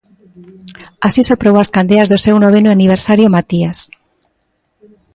Así soprou as candeas do seu noveno aniversario Matías.